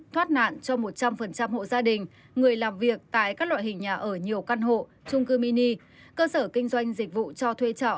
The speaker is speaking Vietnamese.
thoát nạn cho một trăm linh hộ gia đình người làm việc tại các loại hình nhà ở nhiều căn hộ trung cư mini cơ sở kinh doanh dịch vụ cho thuê trọ